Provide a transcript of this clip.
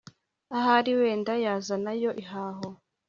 ahari wenda yazanayo ihaho